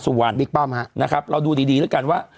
สู่บครรภ์อันดีฉอะพอค่ะนะครับเราดูดีดีด้วยกันว่า